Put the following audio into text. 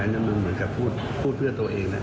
อันนี้มันเหมือนกับพูดเพื่อตัวเองนะ